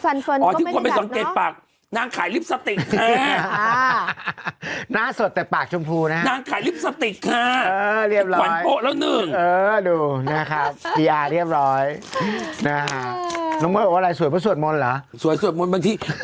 โอ้น้องเมื่อบอกว่าอะไรสวยบะสวดมนต์ล่ะสวยสวดมนต์บางทีคำตอบมันน่าตกปาก